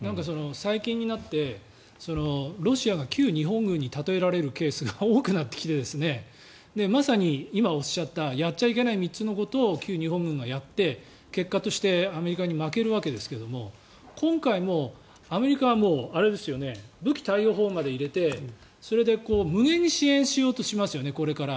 最近になってロシアが旧日本軍に例えらえるケースが多くなってまさに今おっしゃったやってはいけない３つのことを日本軍はやって結果としてアメリカに負けるわけですが今回もアメリカは武器貸与法まで入れてそれで無限に支援しようとしますよねこれから。